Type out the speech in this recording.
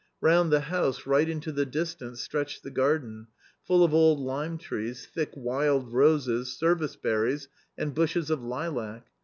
Round the house , right into the distance stretched the garden, full of old lime , trees, thick wild roses, service berries, and bushes of lilac.